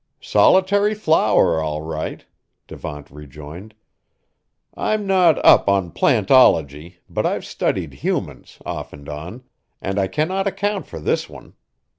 "Solitary flower, all right," Devant rejoined. "I'm not up on plant ology, but I've studied humans, off and on, and I cannot account for this one.